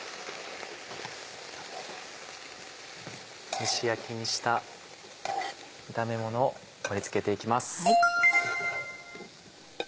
蒸し焼きにした炒めものを盛り付けて行きます。